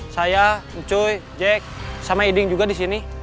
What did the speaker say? saya ncuy jack sama eding juga disini